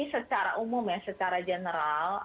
secara umum secara general